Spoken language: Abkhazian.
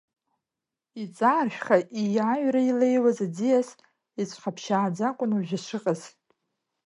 Иҵааршәха ииаҩры илеиуаз аӡиас ицәхаԥшьааӡа акәын уажә ишыҟаз.